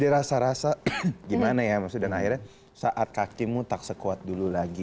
jadi rasa rasa gimana ya maksudnya dan akhirnya saat kakimu tak sekuat dulu lagi